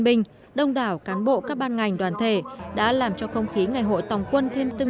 bình đông đảo cán bộ các ban ngành đoàn thể đã làm cho không khí ngày hội tòng quân thêm tương